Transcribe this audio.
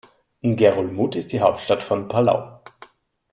Ngerulmud ist die Hauptstadt von Palau.